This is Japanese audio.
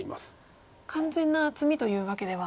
完全な厚みというわけでは。